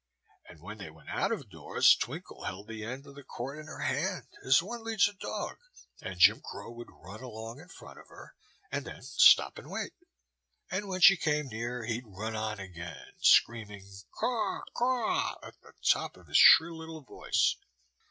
And when they went out of doors Twinkle held the end of the cord in her hand, as one leads a dog, and Jim Crow would run along in front of her, and then stop and wait. And when she came near he'd run on again, screaming "Caw! Caw!" at the top of his shrill little voice.